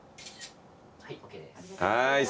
・はいＯＫです。